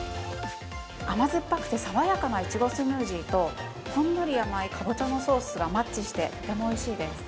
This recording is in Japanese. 甘酸っぱくて爽やかないちごスムージーとほんのり甘いかぼちゃのソースがマッチしてとてもおいしいです。